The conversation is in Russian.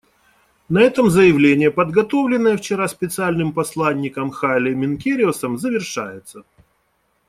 На этом заявление, подготовленное вчера Специальным посланником Хайле Менкериосом, завершается.